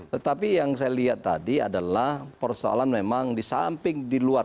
tetapi yang saya lihat tadi adalah persoalan memang di samping di luar